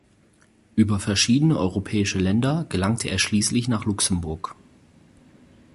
Über verschiedene europäische Länder gelangte er schließlich nach Luxemburg.